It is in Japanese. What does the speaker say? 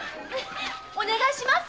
お願いします！